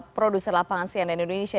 produser lapangan siaran dan indonesia